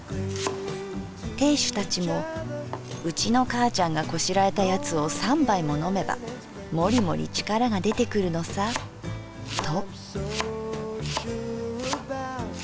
亭主たちも『うちのかあちゃんがこしらえた奴を三杯ものめばもりもり力が出てくるのさ』と」。